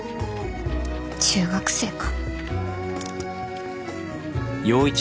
中学生か